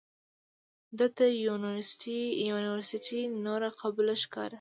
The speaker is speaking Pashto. ده ته یونورسټي نوره قبوله ښکاري.